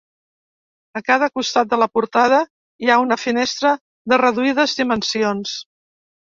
A cada costat de la portada hi ha una finestra de reduïdes dimensions.